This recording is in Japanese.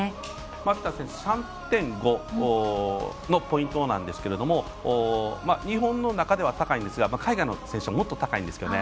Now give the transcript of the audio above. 秋田選手は３．５のポイントなんですけれど日本の中では高いんですが海外の選手はもっと高いんですけどね。